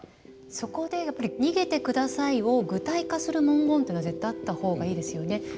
そこでやっぱり「逃げて下さい」を具体化する文言っていうのは絶対あった方がいいですよね。